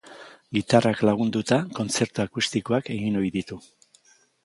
Gitarrak lagunduta, kontzertu akustikoak egin ohi ditu.